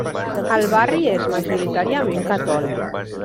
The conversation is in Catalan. El barri és majoritàriament catòlic.